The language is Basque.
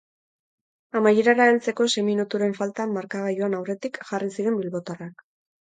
Amaierara heltzeko sei minuturen faltan markagailuan aurretik jarri ziren bilbotarrak.